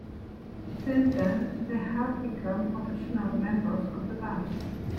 Since then they have become official members of the band.